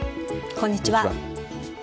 こんにちは。